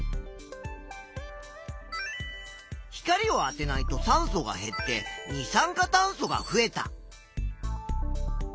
光をあてないと酸素が減って二酸化炭素が増えた。